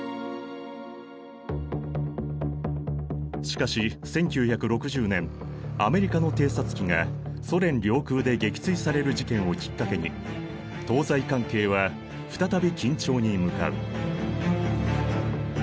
しかし１９６０年アメリカの偵察機がソ連領空で撃墜される事件をきっかけに東西関係は再び緊張に向かう。